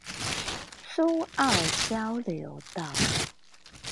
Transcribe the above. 蘇澳交流道